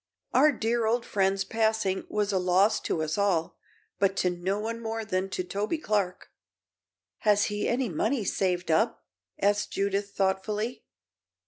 Our dear old friend's passing was a loss to us all, but to no one more than to Toby Clark." "Has he any money saved up?" asked Judith thoughtfully.